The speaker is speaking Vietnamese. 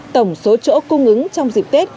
tổng số chỗ cung ứng trong dịp tết